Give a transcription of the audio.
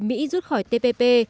mỹ rút khỏi tpp